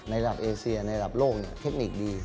ระดับเอเซียในระดับโลกเทคนิคดี